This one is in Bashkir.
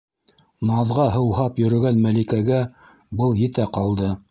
Наҙға һыуһап йөрөгән Мәликәгә был етә ҡалды.